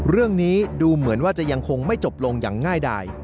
เรื่องนี้ดูเหมือนว่าจะยังคงไม่จบลงอย่างง่ายดาย